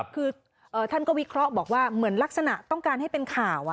คือท่านก็วิเคราะห์บอกว่าเหมือนลักษณะต้องการให้เป็นข่าว